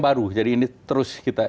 baru jadi ini terus kita